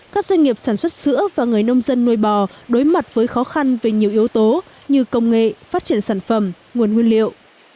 các doanh nghiệp sản xuất sữa và người nông dân nuôi bò đối mặt với khó khăn về nhiều yếu tố như công nghệ phát triển sản phẩm nguồn nguyên liệu